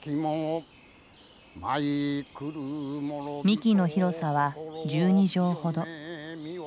幹の広さは１２畳ほど。